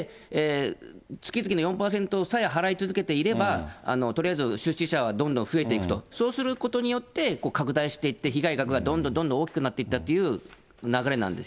月々の４％さえ払い続けていれば、とりあえず出資者はどんどん増えていくと、そうすることによって、拡大していって、被害額がどんどんどんどん大きくなっていったという流れなんです